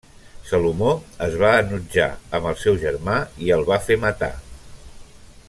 Salomó es va enutjar amb el seu germà i el va fer matar.